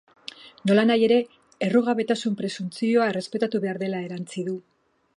Nolanahi ere, errugabetasun-presuntzioa errespetatu behar dela erantsi du.